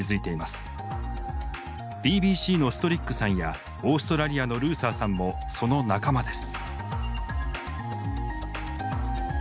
ＢＢＣのストリックさんやオーストラリアのルーサーさんもその仲間です。